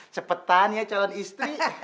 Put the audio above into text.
cepetan ya calon istri